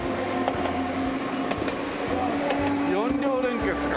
４両連結か。